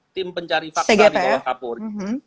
tim pencari fakta di bawah kapolri